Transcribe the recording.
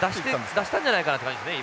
出したんじゃないかなって感じですね。